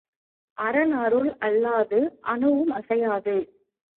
அரன் அருள் அல்லாது அணுவும் அசையாது.